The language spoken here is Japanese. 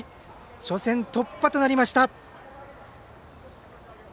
初戦突破となりました。